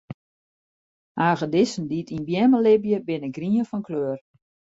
Hagedissen dy't yn beammen libje, binne grien fan kleur.